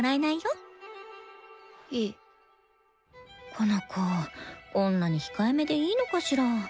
この子こんなに控えめでいいのかしら？